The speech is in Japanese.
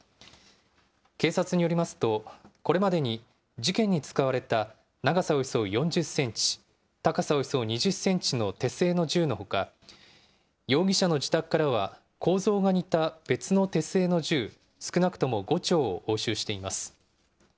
警察によりますと、これまでに事件に使われた長さおよそ４０センチ、高さおよそ２０センチの手製の銃のほか、容疑者の自宅からは構造が似た別の手製の銃、少なくとも５丁を押収しています。